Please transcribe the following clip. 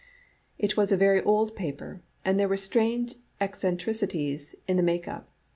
It was a very old paper, and there were strange eccentricities in the make up.